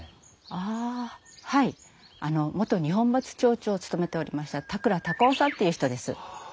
ああはい元二本松町長を務めておりました田倉孝雄さんっていう人です。